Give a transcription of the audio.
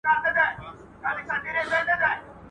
o خر او خنکيانه.